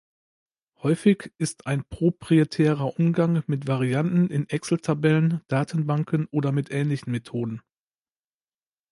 Häufig ist ein proprietärer Umgang mit Varianten in Excel-Tabellen, Datenbanken oder mit ähnlichen Methoden.